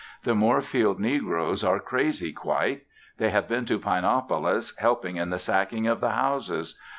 The Moorfield negroes are crazy quite; they have been to Pinopolis, helping in the sacking of the houses.